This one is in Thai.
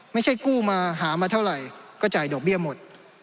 กู้มาหามาเท่าไหร่ก็จ่ายดอกเบี้ยหมด